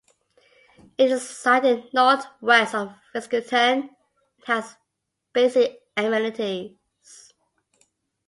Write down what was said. It is sited north west of Fiskerton and has basic amenities.